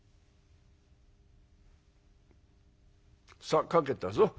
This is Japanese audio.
「さあ描けたぞ。